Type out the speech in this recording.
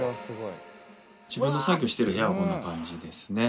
自分の作業してる部屋はこんな感じですね。